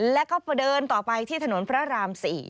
แล้วก็เดินต่อไปที่ถนนพระราม๔